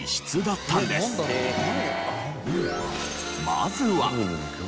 まずは。